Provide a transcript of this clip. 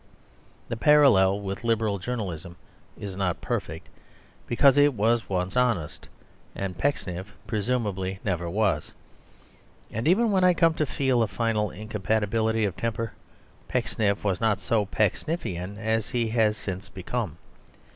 The parallel with Liberal journalism is not perfect; because it was once honest; and Pecksniff presumably never was. And even when I come to feel a final incompatibility of temper, Pecksniff was not so Pecksniffian as he has since become.